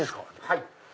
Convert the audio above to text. はい。